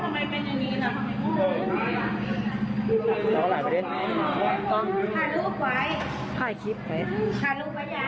ถ่ายลูกไว้อย่าง